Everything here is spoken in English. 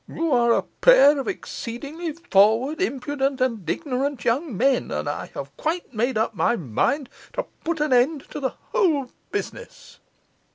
You are a pair of exceedingly forward, impudent, and ignorant young men, and I have quite made up my mind to put an end to the whole business.